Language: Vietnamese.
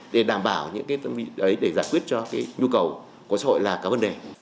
để đảm bảo những cái tâm lý đấy để giải quyết cho cái nhu cầu của xã hội là các vấn đề